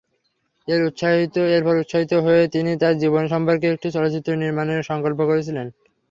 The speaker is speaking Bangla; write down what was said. এরপর উৎসাহিত হয়ে, তিনি তার জীবন সম্পর্কে একটি চলচ্চিত্র নির্মাণের সংকল্প করেছিলেন।